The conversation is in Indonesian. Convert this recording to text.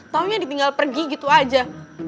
taunya ditinggal pergi gitu aja